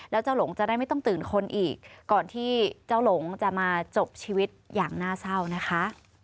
แล้วเจ้าหลงจะได้ไม่ต้องตื่นคนอีกก่อนที่เจ้าหลงจะมาจบชีวิตอย่างน่าเศร้านะคะ